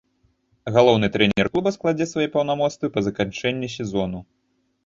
Галоўны трэнер клуба складзе свае паўнамоцтвы па заканчэнні сезону.